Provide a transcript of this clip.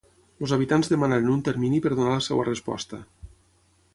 Els habitants demanaren un termini per donar la seva resposta.